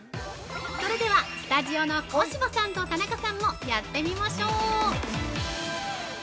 ◆それではスタジオの小芝さんと田中さんもやってみましょう！